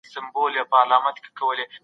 که په قلم کې رنګ ډېر وي نو کاغذ لوند کېږي.